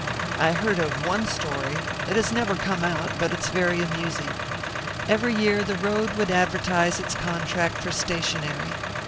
I heard of one story it has never come out, but it's very amusing. Every year the road would advertise its contract for stationery.